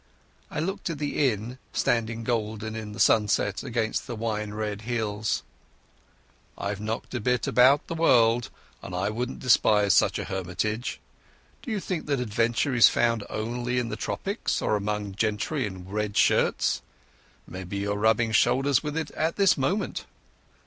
I looked at the inn standing golden in the sunset against the brown hills. "I've knocked a bit about the world, and I wouldn't despise such a hermitage. D'you think that adventure is found only in the tropics or among gentry in red shirts? Maybe you're rubbing shoulders with it at this moment."